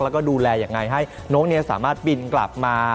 แล้วก็ดูแลยังไงให้น้องสามารถบินกลับมา